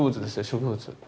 植物。